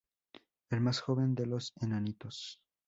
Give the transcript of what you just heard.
El más joven de los enanitos.